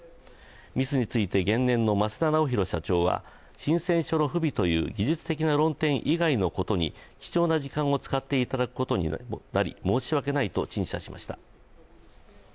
ミスについて、原燃の増田尚宏社長は申請書の不備という技術的論点以外のことに貴重な時間を使っていただくことになり申し訳ないと陳謝しました。